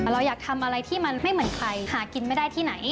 เราอยากทำอะไรที่มันไม่เหมือนใครหากินไม่ได้ที่ไหน